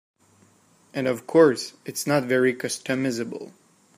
And of course, it's not very customizable.